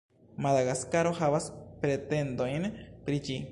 Madagaskaro havas pretendojn pri ĝi.